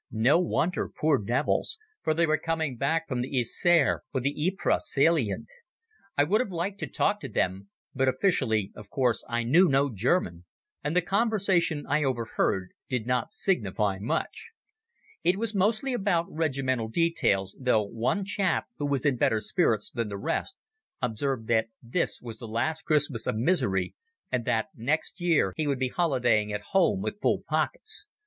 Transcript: No wonder, poor devils, for they were coming back from the Yser or the Ypres salient. I would have liked to talk to them, but officially of course I knew no German, and the conversation I overheard did not signify much. It was mostly about regimental details, though one chap, who was in better spirits than the rest, observed that this was the last Christmas of misery, and that next year he would be holidaying at home with full pockets.